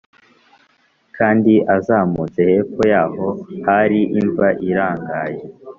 kandi azamutse hepfo yaho hari imva irangaye